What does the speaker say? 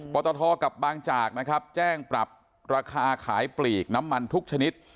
ตทกับบางจากนะครับแจ้งปรับราคาขายปลีกน้ำมันทุกชนิด